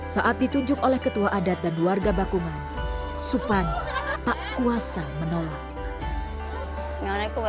saat ditunjuk oleh ketua adat dan warga bakungan supani tak kuasa menolak